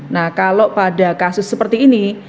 nah kalau pada kasus seperti ini